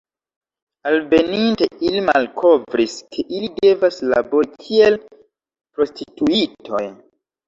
Alveninte, ili malkovris, ke ili devas labori kiel prostituitoj.